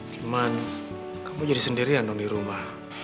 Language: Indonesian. cuman kamu jadi sendirian dong di rumah